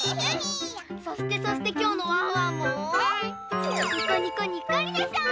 そしてそしてきょうのワンワンもにこにこにっこりでしょう！